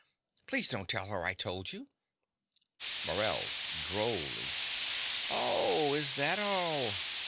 Please don't tell her I told you. MORELL (drolly). Oh, is that all?